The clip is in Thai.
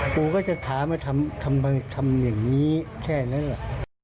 กูก็จะถามว่าทำไมทำอย่างนี้แค่นั้นแหละ